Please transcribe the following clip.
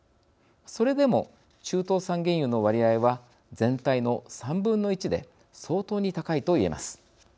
それでも中東産原油の割合は全体の３分の１で相当に高いといえます。